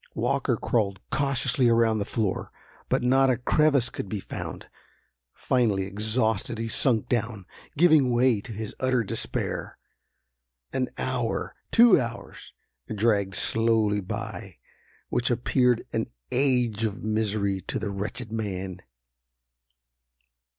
Walker crawled cautiously around the floor, but not a crevice could be found. Finally, exhausted, he sunk down, giving way to his utter despair. An hour—two hours—dragged slowly by, which appeared an age of misery to the wretched man.